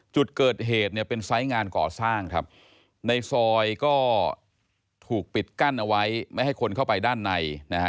จุดเกิดเหตุเนี่ยเป็นไซส์งานก่อสร้างครับในซอยก็ถูกปิดกั้นเอาไว้ไม่ให้คนเข้าไปด้านในนะฮะ